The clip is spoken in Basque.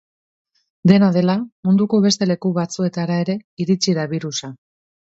Dena dela, munduko beste leku batzuetara ere iritsi da birusa.